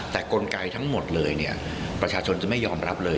แต่กลไกทั้งหมดเลยเนี่ยประชาชนจะไม่ยอมรับเลย